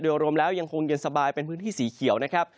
โดยรวมแล้วยังคงเย็นสบายเป็นพื้นที่สีเขียวนะครับ